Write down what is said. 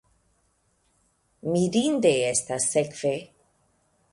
Mirinde estas, sekve.